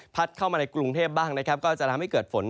เข้ามาในกรุงเทพบ้างนะครับก็จะทำให้เกิดฝน